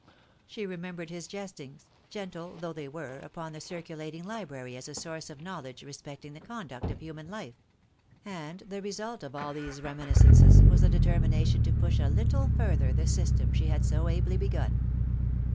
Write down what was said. She remembered his jestings, gentle though they were, upon the circulating library as a source of know ledge respecting the conduct of human hfe ; and the result of all these reminiscences was a determination to push a little further the system she had so ably begun.